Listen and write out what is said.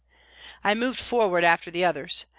I moved forward after the others.